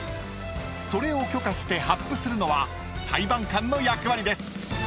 ［それを許可して発付するのは裁判官の役割です］